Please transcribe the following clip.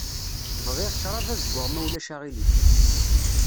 Bɣiɣ ccṛab azeggaɣ ma ulac aɣilif.